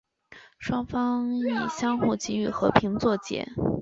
双方以相互给予和平作结。